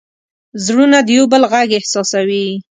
زړونه د یو بل غږ احساسوي.